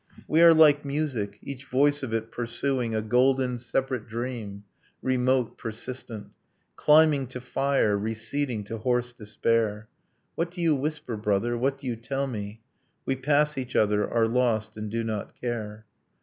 We are like music, each voice of it pursuing A golden separate dream, remote, persistent, Climbing to fire, receding to hoarse despair. What do you whisper, brother? What do you tell me? ... We pass each other, are lost, and do not care.